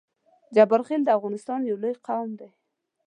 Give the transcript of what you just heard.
جبارخیل د افغانستان یو لوی قام دی